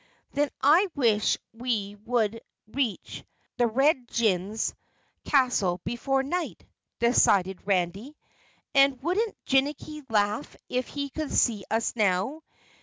"Then I wish we would reach the Red Jinn's castle before night," decided Randy. "And wouldn't Jinnicky laugh if he could see us now?